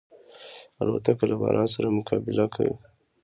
الوتکه له باران سره مقابله کوي.